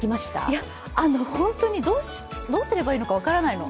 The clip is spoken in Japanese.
いや本当にどうすればいいのか分からないの。